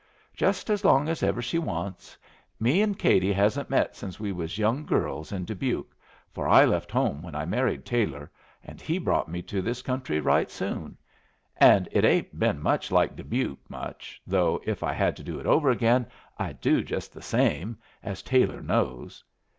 "Just as long as ever she wants! Me and Katie hasn't met since we was young girls in Dubuque, for I left home when I married Taylor, and he brought me to this country right soon; and it ain't been like Dubuque much, though if I had it to do over again I'd do just the same, as Taylor knows.